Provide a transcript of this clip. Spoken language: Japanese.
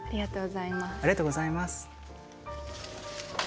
ありがとうございます。